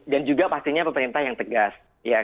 dan juga pastinya pemerintah yang tegas